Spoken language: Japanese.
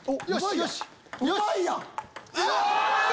よし！